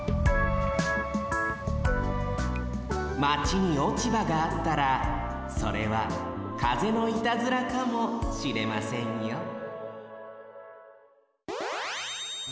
マチに落ち葉があったらそれは風のいたずらかもしれませんよ